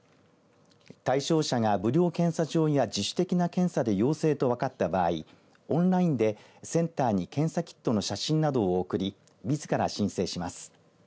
対象者が無料検査場や自主的な検査で陽性と分かった場合オンラインでセンターに検査キットの写真などを送りみずから申請します。